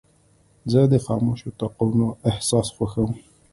زه د خاموشو اتاقونو احساس خوښوم.